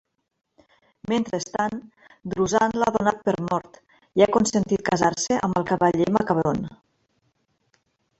Mentrestant, Druzane l'ha donat per mort i ha consentit casar-se amb el cavaller Macabron.